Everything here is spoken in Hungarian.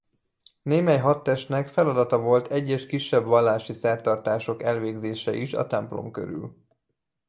Némely hadtestnek feladata volt egyes kisebb vallási szertartások elvégzése is a templom körül.